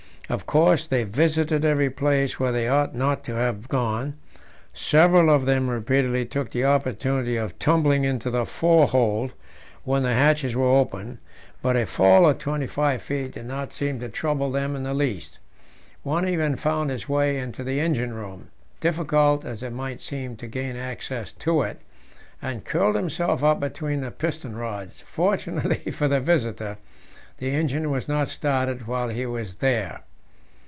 Of course they visited every place where they ought not to have gone. Several of them repeatedly took the opportunity of tumbling into the forehold, when the hatches were open; but a fall of 25 feet did not seem to trouble them in the least. One even found his way into the engine room, difficult as it might seem to gain access to it, and curled himself up between the piston rods. Fortunately for the visitor, the engine was not started while he was there.